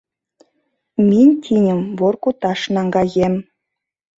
— Минь тиньым Воркуташ наҥгаем.